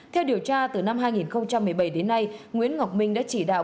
theo điều tra từ năm hai nghìn một mươi bảy đến nay nguyễn ngọc minh đã chỉ đạo